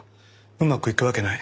うまくいくわけない。